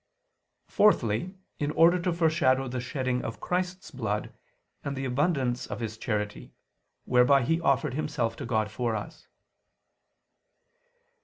Fourthly, in order to foreshadow the shedding of Christ's blood, and the abundance of His charity, whereby He offered Himself to God for us.